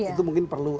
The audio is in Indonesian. itu mungkin perlu